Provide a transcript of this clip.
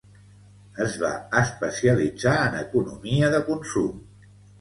Es va especialitzar en economia de consum.